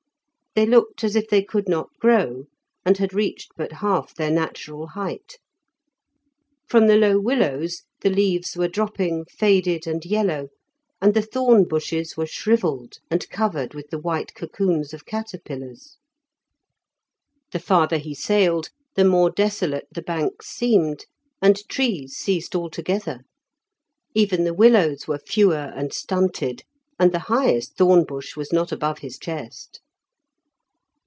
They looked as if they could not grow, and had reached but half their natural height. From the low willows the leaves were dropping, faded and yellow, and the thorn bushes were shrivelled and covered with the white cocoons of caterpillars. The farther he sailed the more desolate the banks seemed, and trees ceased altogether. Even the willows were fewer and stunted, and the highest thorn bush was not above his chest.